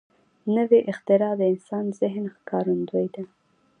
نوې اختراع د انسان ذهن ښکارندوی ده